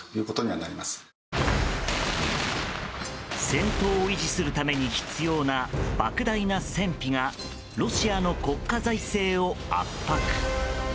戦闘を維持するために必要な莫大な戦費がロシアの国家財政を圧迫。